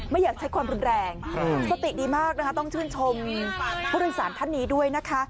ไม่อยากใช้ความรุนแรงสติดีมากนะคะต้องชื่นชมผู้โดยสารท่านนี้ด้วยนะคะ